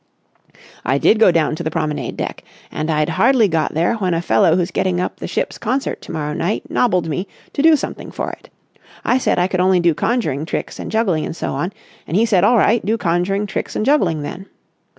"I did go down to the promenade deck. And I'd hardly got there when a fellow who's getting up the ship's concert to morrow night nobbled me to do something for it. I said I could only do conjuring tricks and juggling and so on, and he said all right, do conjuring tricks and juggling, then.